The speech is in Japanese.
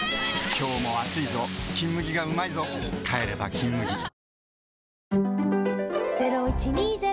今日も暑いぞ「金麦」がうまいぞ帰れば「金麦」こんにちは。